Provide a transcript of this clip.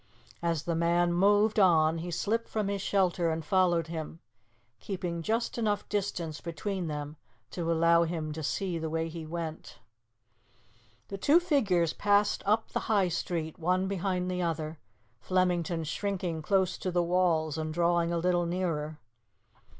As the man moved on he slipped from his shelter and followed him, keeping just enough distance between them to allow him to see the way he went. The two figures passed up the High Street, one behind the other, Flemington shrinking close to the walls and drawing a little nearer.